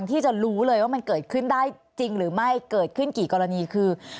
ที่จะรู้เลยว่ามันเกิดขึ้นได้จริงหรือไม่เกิดขึ้นกี่กรณีคือ